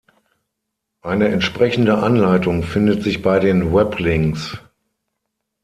Eine entsprechende Anleitung findet sich bei den Weblinks.